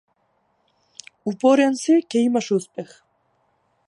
Упорен си ќе имаш успех.